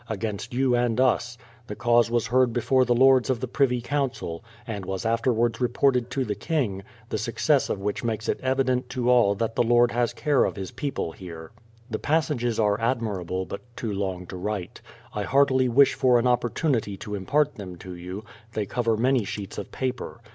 against you and us, the cause was heard before the lords of the Privy Council, and was afterwards reported to the King, the success of which makes it evident to all that the Lord has care of His people here. The passages are admirable, but too long to write. I heartily wish for an opportunity to impart them to you : they cover many sheets of paper.